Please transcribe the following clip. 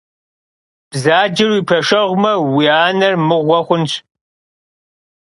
Бзаджэр уи пэшэгьумэ уи анэр мыгъуэ хъунщ.